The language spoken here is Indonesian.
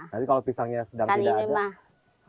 nanti kalau pisangnya sedang tidak ada berarti nggak ada